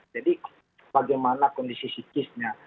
jadi bagaimana kondisi psikisnya